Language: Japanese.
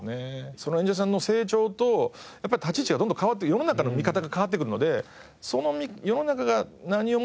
その演者さんの成長とやっぱり立ち位置がどんどん変わって世の中の見方が変わってくるので世の中が何を求めてるか